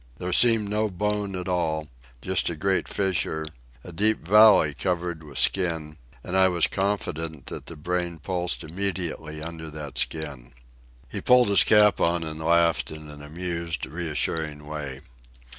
There seemed no bone at all, just a great fissure, a deep valley covered with skin; and I was confident that the brain pulsed immediately under that skin. He pulled his cap on and laughed in an amused, reassuring way.